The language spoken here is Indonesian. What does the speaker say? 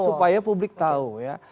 supaya publik tahu ya